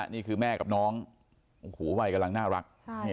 นี่คือแม่กับน้องไวกำลังน่ารัก